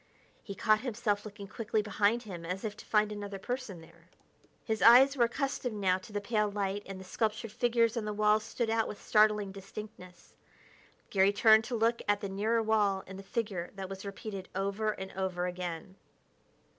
He caught himself looking quickly behind him as if to find another person there. His eyes were accustomed now to the pale light, and the sculptured figures on the walls stood out with startling distinctness. Garry turned to look at the nearer wall and the figure that was repeated over and over again.